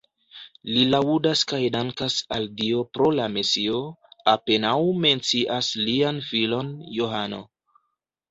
Li laŭdas kaj dankas al Dio pro la Mesio, apenaŭ mencias lian filon Johano.